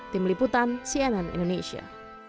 tim liputan cnn indonesia